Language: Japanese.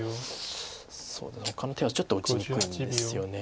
ほかの手はちょっと打ちにくいんですよね。